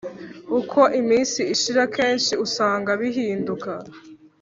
uko iminsi ishira kenshi usanga bihinduka